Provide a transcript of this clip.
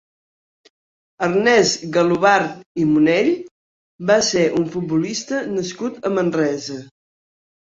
Ernest Galobart i Monell va ser un futbolista nascut a Manresa.